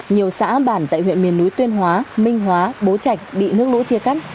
nhiều xã bản tại huyện miền núi tuyên hóa minh hóa bố trạch bị nước lũ chia cắt